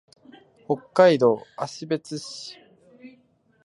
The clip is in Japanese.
北海道芦別市